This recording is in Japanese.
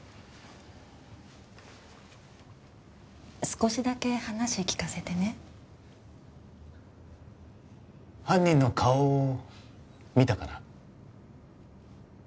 少しだけ話聞かせてね犯人の顔を見たかな？